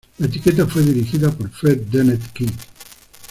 La etiqueta fue dirigida por Fred Dennett Key.